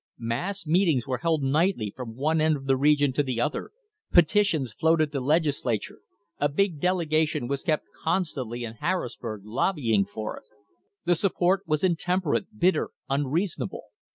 Mass meetings were held nightly from one end of the region to the other, petitions flooded the Legislature, a big delegation was kept constantly in Harrisburg lobbying for it. The sup port was intemperate, bitter, unreasonable.